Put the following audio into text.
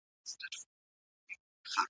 ټول قومونه به په دي غونډه کي خپل استازي ولري.